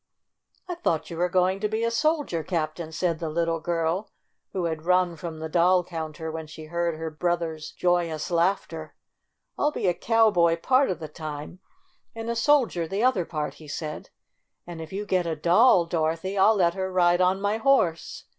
"I thought you were going to be a sol dier captain," said the little girl, who had run from the doll counter when she heard her brother's joyous laughter. "I'll be a cowboy part of the time and 32 STORY OF A SAWDUST DOLL a soldier the other part," he said. "And if you get a doll, Dorothy, I'll let her ride on my horse.